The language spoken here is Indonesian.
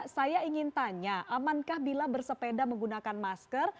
saya ingin tanya amankah bila bersepeda menggunakan masker